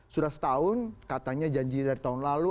sudah setahun katanya janji dari tahun lalu